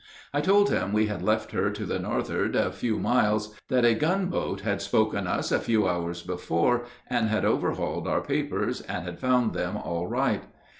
I told him we had left her to the northward a few miles, that a gunboat had spoken us a few hours before, and had overhauled our papers, and had found them all right.